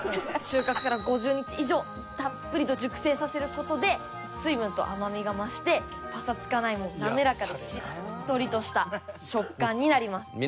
収穫から５０日以上たっぷりと熟成させる事で水分と甘みが増してパサつかない滑らかでしっとりとした食感になります。